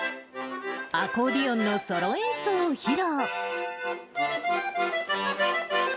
アコーディオンのソロ演奏を披露。